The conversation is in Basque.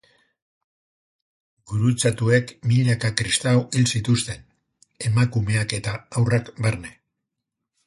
Gurutzatuek milaka kristau hil zituzten, emakumeak eta haurrak barne.